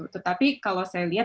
tetapi kalau saya lihat